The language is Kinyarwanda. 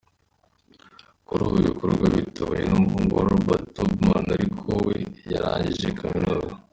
Kuri ubu ibi bikorwa biyobowe n’umuhungu we Robert Taubman, ariko we yarangije kaminuza.